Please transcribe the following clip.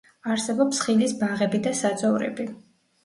არსებობს ხილის ბაღები და საძოვრები.